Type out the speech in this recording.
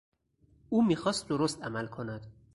او میخواست درست عمل کند.